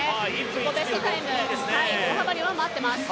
自己ベストタイム、大幅に上回っています。